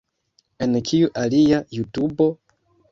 En kiu alia jutubo?